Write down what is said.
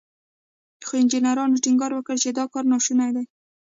خو انجنيرانو ټينګار وکړ چې دا کار ناشونی دی.